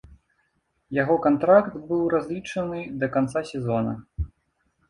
Яго кантракт быў разлічаны да канца сезона.